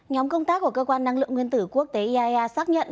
nhóm công tác của cơ quan năng lượng nguyên tử quốc tế iaea xác nhận